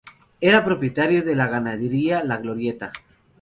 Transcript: Era propietario de la ganadería La Glorieta.